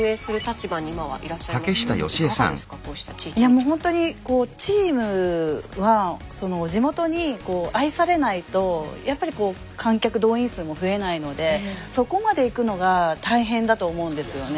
もうほんとにチームは地元に愛されないとやっぱり観客動員数も増えないのでそこまでいくのが大変だと思うんですよね。